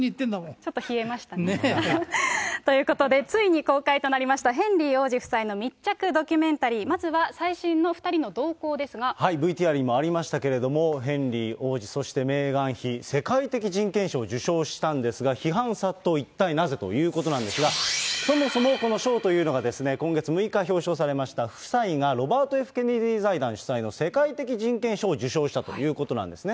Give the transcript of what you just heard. ちょっと冷えましたね。ということで、ついに公開となりましたヘンリー王子夫妻の密着ドキュメンタリー、ＶＴＲにもありましたけども、ヘンリー王子、そしてメーガン妃、世界的人権賞を受賞したんですが、批判殺到、一体なぜ？ということなんですが、そもそもこの賞というのが、今月６日表彰されました、夫妻がロバート・Ｆ・ケネディ財団主催の世界的人権賞を受賞したということなんですね。